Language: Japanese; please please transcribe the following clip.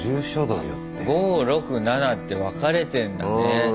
５６７って分かれてんだね。